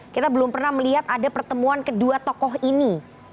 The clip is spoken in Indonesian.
kita belum pernah melihat ada pertemuan kedua tokoh ini